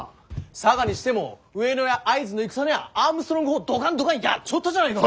佐賀にしても上野や会津の戦にゃアームストロング砲をどかんどかんやっちょったじゃないか。